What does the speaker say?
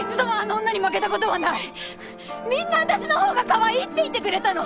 みんな私のほうがかわいいって言ってくれたの！